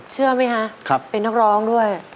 เชื่อไหมคะเป็นนักร้องด้วย